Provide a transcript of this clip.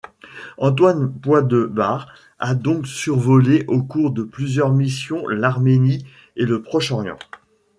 Antoine Poidebard a donc survolé au cours de plusieurs missions l'Arménie et le Proche-Orient.